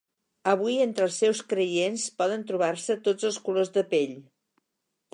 Avui entre els seus creients poden trobar-se tots els colors de pell.